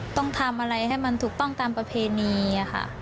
ต้องทำอะไรให้มันถูกต้องตามประเพณีค่ะ